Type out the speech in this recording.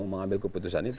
mengambil keputusan itu